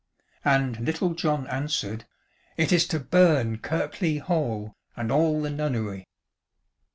And Little John answered, "It is to burn Kirkley Hall, and all the nunnery."